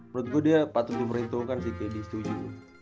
menurut gua dia patut diperhitungkan si kd setuju